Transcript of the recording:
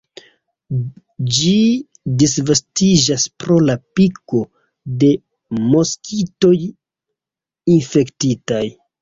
Ĝi disvastiĝas pro la piko de moskitoj infektitaj.